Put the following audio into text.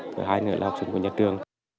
thứ hai nữa là học sinh của nhà trường